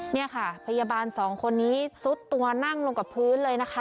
นี่ค่ะพยาบาลสองคนนี้ซุดตัวนั่งลงกับพื้นเลยนะคะ